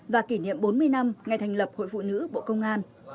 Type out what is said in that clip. và kỷ niệm bốn mươi năm ngày thành lập hội phụ nữ bộ công an